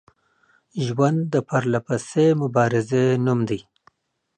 ژوند د پرلپسې مبارزې نوم دی